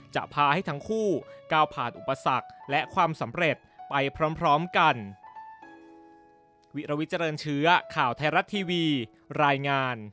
จะพาให้ทั้งคู่ก้าวผ่านอุปสรรคและความสำเร็จไปพร้อมกัน